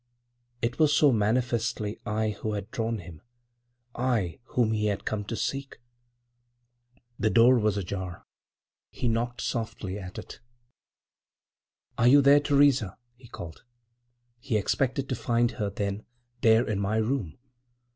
It was so manifestly I who had drawn him, I whom he had come to seek. The door was ajar. He knocked softly at it "Are you there, Theresa?" he called. He expected to find her, then, there in my room?